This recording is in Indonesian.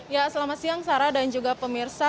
ya selamat siang sarah dan juga pemirsa